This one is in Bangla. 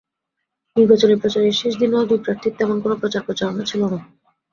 নির্বাচনী প্রচারের শেষ দিনেও দুই প্রার্থীর তেমন কোনো প্রচার-প্রচারণা ছিল না।